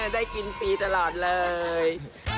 ได้กินฟรีตลอดเลย